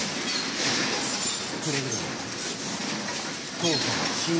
くれぐれも捜査は慎重に。